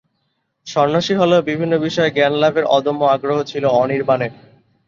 সন্ন্যাসী হলেও বিভিন্ন বিষয়ে জ্ঞানলাভের অদম্য আগ্রহ ছিল অনির্বাণের।